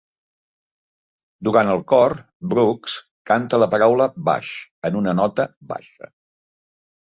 Durant el cor, Brooks canta la paraula "baix" en una nota baixa.